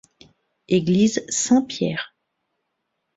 Église Saint Pierre.